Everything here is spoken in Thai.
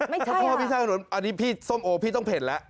ไม่ใช่ค่ะพ่อพี่สร้างถนนอันนี้พี่ส้มโอพี่ต้องเผ็ดแล้ว